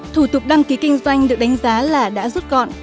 thủ tục đăng ký kinh doanh được đánh giá là đã rút gọn